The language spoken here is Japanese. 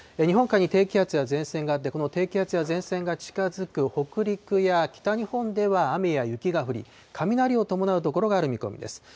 日本海に低気圧や前線があって、この低気圧や前線が近づく北陸や北日本では雨や雪が降り、雷を伴う所がある見込みです。